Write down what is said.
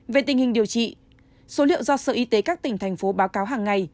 về tình hình điều trị số liệu do sở y tế các tỉnh thành phố báo cáo hàng ngày